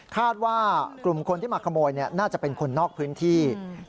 คาดว่ากลุ่มคนที่มาขโมยน่าจะเป็นคนนอกพื้นที่